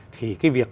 thì cái việc